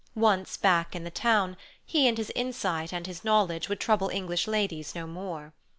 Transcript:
Once back in the town, he and his insight and his knowledge would trouble English ladies no more.